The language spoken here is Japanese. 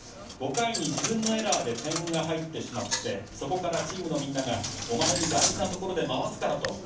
５回に自分のエラーで点が入ってしまってそこからチームのみんながお前に大事なところで回すからと。